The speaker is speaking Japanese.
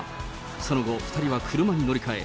その後、２人は車に乗り換え、